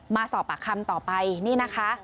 มาสอบปากคำต่อไปนี่นะคะ